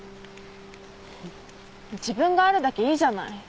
自分があるだけいいじゃない。